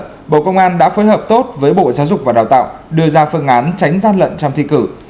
trong các kỳ thi trước bộ công an đã phối hợp tốt với bộ giáo dục và đào tạo đưa ra phương án tránh gian lận trong thi cử